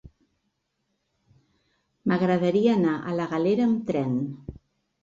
M'agradaria anar a la Galera amb tren.